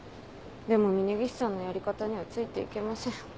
でも峰岸さんのやり方にはついて行けません。